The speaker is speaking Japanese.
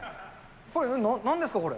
これなんですか、これ。